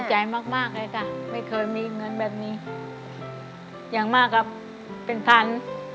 ใจมากมากเลยค่ะไม่เคยมีเงินแบบนี้อย่างมากครับเป็นพัน